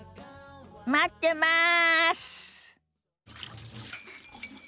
待ってます！